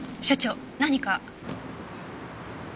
所長何か？